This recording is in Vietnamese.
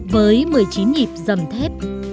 với một mươi chín nhịp dầm thép